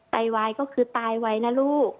ไตวายก็คือตายไวนะลูก